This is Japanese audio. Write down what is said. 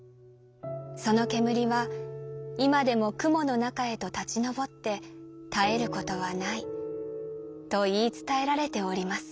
その煙は今でも雲の中へと立ち昇って絶えることはないと言い伝えられております」。